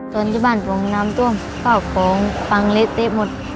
จนที่บ้านผมน้ำต้มก็ของฟังเล็กหมด